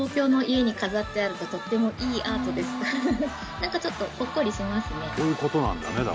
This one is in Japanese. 何かちょっとほっこりしますね。